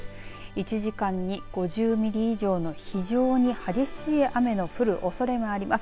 １時間に５０ミリ以上の非常に激しい雨の降るおそれがあります。